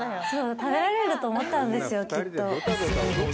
食べられると思ったんですよ、きっと。